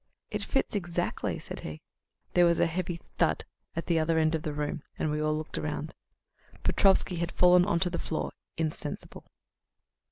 "It fits exactly," said he. There was a heavy thud at the other end of the room and we all looked round. Petrofsky had fallen on to the floor insensible.